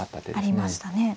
ありましたね。